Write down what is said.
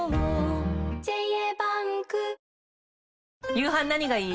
夕飯何がいい？